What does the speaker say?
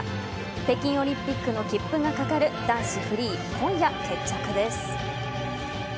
北京オリンピックの切符がかかる男子フリー、今夜決着です。